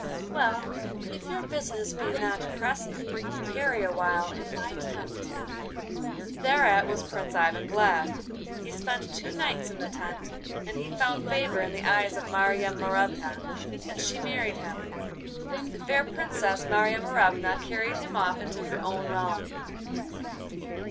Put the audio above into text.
'Well, if your business be not pressing, tarry awhile in my tent.' Thereat was Prince Ivan glad. He spent two nights in the tent, and he found favour in the eyes of Marya Morevna, and she married him. The fair Princess, Marya Morevna, carried him off into her own realm.